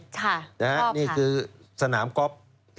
ชอบค่ะชอบค่ะนี่คือสนามก๊อบ